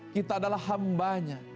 kita adalah hambanya